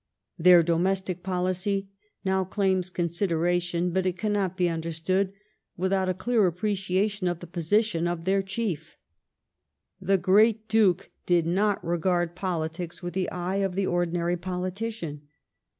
^ Their domestic policy now claims con sideration, but it cannot be understood without a clear apprecia tion of the position of their chief The great Duke did not regard politics with the eye of the ordinary politician.